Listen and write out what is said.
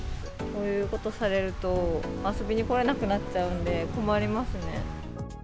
こういうことされると、遊びに来られなくなっちゃうんで、困りますね。